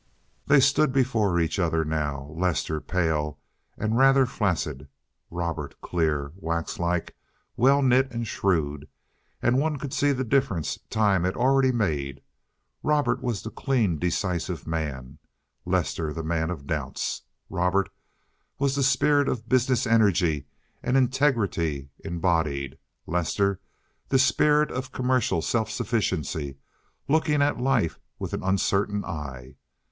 They stood before each other now, Lester pale and rather flaccid, Robert clear, wax like, well knit, and shrewd, and one could see the difference time had already made. Robert was the clean, decisive man, Lester the man of doubts. Robert was the spirit of business energy and integrity embodied, Lester the spirit of commercial self sufficiency, looking at life with an uncertain eye.